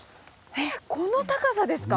えっこの高さですか